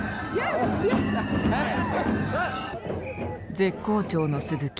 絶好調の鈴木。